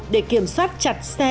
để kiểm soát chặt xe